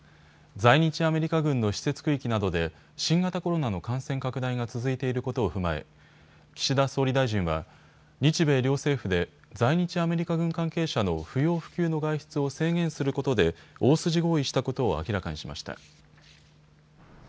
在日アメリカ軍の施設区域などで新型コロナの感染拡大が続いていることを踏まえ岸田総理大臣は日米両政府で在日アメリカ軍関係者の不要不急の外出を制限することで大筋合意したことを明らかにしました。